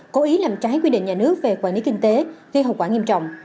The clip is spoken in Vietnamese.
cố ý làm trái quy định nhà nước về quản lý kinh tế gây hậu quả nghiêm trọng